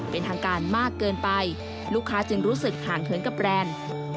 เป็นทางการมากเกินไปลูกค้าจึงรู้สึกห่างเหินกับแบรนด์